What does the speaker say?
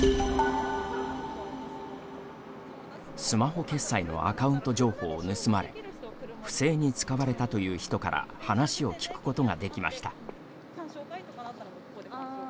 スマホ決済のアカウント情報を盗まれ不正に使われたという人から話を聞くことができました。